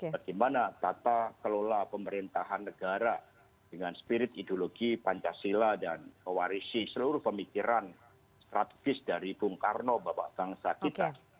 bagaimana tata kelola pemerintahan negara dengan spirit ideologi pancasila dan mewarisi seluruh pemikiran strategis dari bung karno bapak bangsa kita